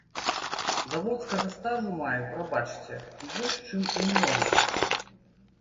Заводскага стажу маю, прабачце, больш чым у многіх.